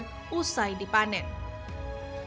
untuk memastikan agar kedelai tidak terendam banjir